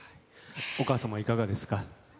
お母様はいかがですか。